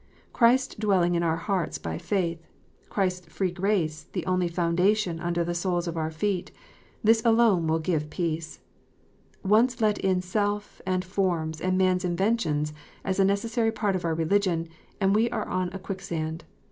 Christ dwelling in our hearts by faith, Christ s free grace the only foundation under the soles of our feet, this alone will give peace, Once let in self, and forms, and man s inventions, as a necessary part of our religion, and we are on a quicksand.